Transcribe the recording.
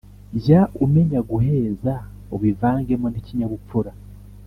jya umenya guheza ubivangemo n'ikinyabupfura